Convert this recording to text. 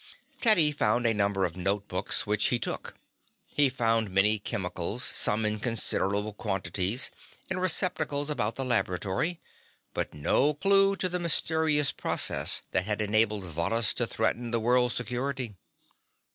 Teddy found a number of notebooks, which he took. He found many chemicals, some in considerable quantities, in receptacles about the laboratory, but no clew to the mysterious process that had enabled Varrhus to threaten the world's security.